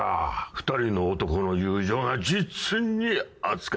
２人の男の友情が実に熱かった。